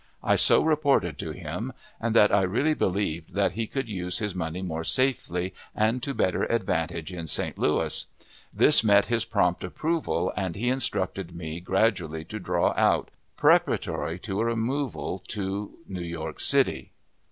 I so reported to him, and that I really believed that he could use his money more safely and to better advantage in St. Louis. This met his prompt approval, and he instructed me gradually to draw out, preparatory to a removal to New York City.